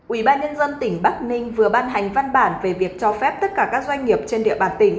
ủy ban nhân dân tỉnh bắc ninh vừa ban hành văn bản về việc cho phép tất cả các doanh nghiệp trên địa bàn tỉnh